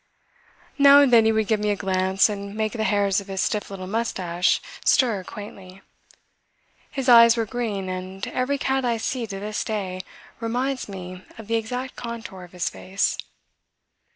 Now and then he would give me a glance and make the hairs of his stiff little moustache stir quaintly. His eyes were green and every cat I see to this day reminds me of the exact contour of his face.